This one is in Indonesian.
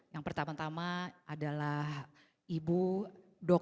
yang pertama tama adalah ibu dr rina